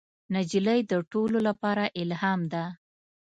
نجلۍ د ټولو لپاره الهام ده.